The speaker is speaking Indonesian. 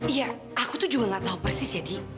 iya aku tuh juga gak tahu persis ya di